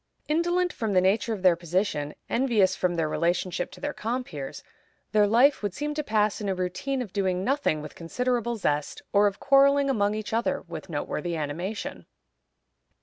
Indolent from the nature of their position, envious from their relationship to their compeers, their life would seem to pass in a routine of doing nothing with considerable zest, or of quarreling among each other with noteworthy animation.